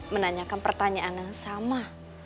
menanyakan pertanyaan yang sama